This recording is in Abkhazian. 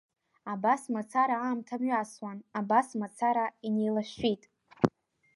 Абас мацара аамҭа мҩасуан, абас мацара инеилашәшәит.